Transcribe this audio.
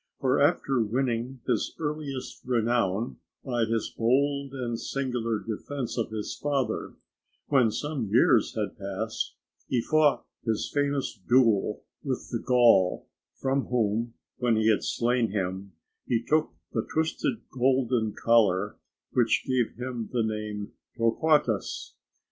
For after winning his earliest renown by his bold and singular defence of his father, when some years had passed he fought his famous duel with the Gaul, from whom, when he had slain him, he took the twisted golden collar which gave him the name of Torquatus.